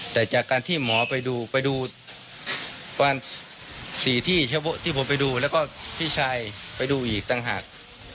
แต่จากการที่หมอไปดูไปดูประมาณ๔ที่ผมไปดูแล้วก็พี่ชายไปดูอีกต่างหาก